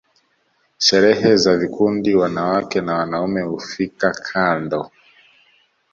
sherehe za vikundi wanawake na wanaume hufika kando